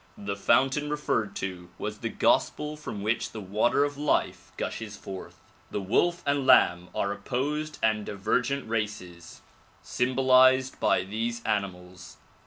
The fountain referred to was the gospel from which the water of life gushes forth. The wolf and lamb are opposed and divergent races symbolized by these animals.